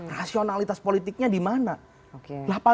rasionalitas politiknya dimana